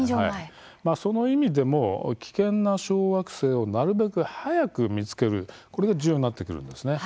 その意味でも危険な小惑星をなるべく早く見つけるこれが重要になってくるんですね。